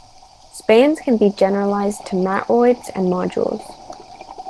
Spans can be generalized to matroids and modules.